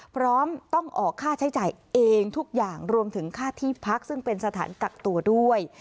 พร้อมต้องออกค่าใช้จ่ายเองทุกอย่างรวมถึงค่าที่พักซึ่งเป็นสถานกักตัวด้วย